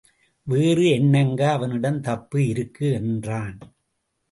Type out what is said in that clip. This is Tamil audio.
வேறு என்னங்க அவனிடம் தப்பு இருக்கு? என்றான்.